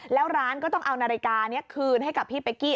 แล้วร้านก็ต้องเอานาฬิกานี้คืนให้กับพี่เป๊กกี้